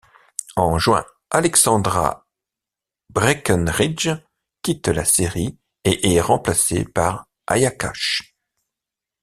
En juin, Alexandra Breckenridge quitte la série et est remplacée par Aya Cash.